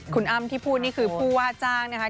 คุณอ้ำที่พูดนี่คือผู้ว่าจ้างนะคะ